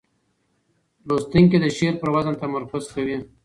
لوستونکي د شعر پر وزن تمرکز کوي.